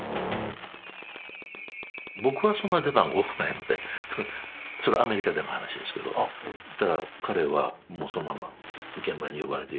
僕はそんな出番多くないのでそれはアメリカでの話ですけど彼はもうそのまま現場に呼ばれて行く。